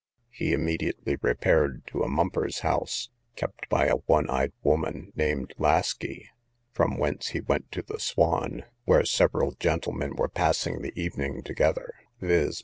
He immediately repaired to a mumper's house, kept by a one eyed woman, named Laskey, from whence he went to the Swan, where several gentlemen were passing the evening together, viz.